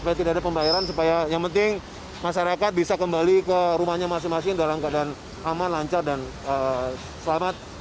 supaya tidak ada pembayaran supaya yang penting masyarakat bisa kembali ke rumahnya masing masing dalam keadaan aman lancar dan selamat